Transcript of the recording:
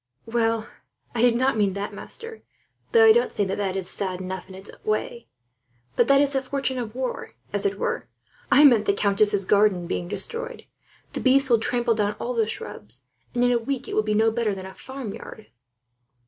"Well, I did not mean that, master; though I don't say that is not sad enough, in its way; but that is the fortune of war, as it were. I meant the countess's garden being destroyed. The beasts will trample down all the shrubs and, in a week, it will be no better than a farmyard."